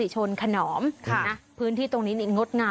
จริง